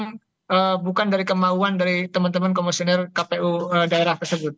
yang bukan dari kemauan dari teman teman komisioner kpu daerah tersebut